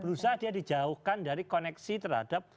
berusaha dia dijauhkan dari koneksi terhadap